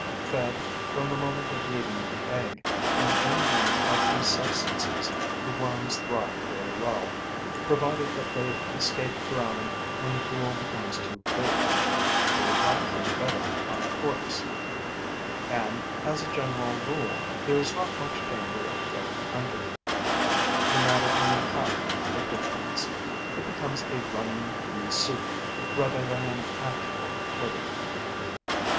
Fed, from the moment of leaving the egg, on any one of these substances, the worms thrive very well, provided that they escape drowning when the gruel becomes too clear; they would not fare better on a corpse. And, as a general rule, there is not much danger of going under: the matter only half liquefies; it becomes a running pea soup, rather than an actual fluid.